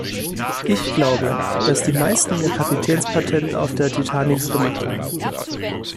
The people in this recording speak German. Ich glaube, dass die meisten ihr Kapitänspatent auf der Titanic gemacht haben.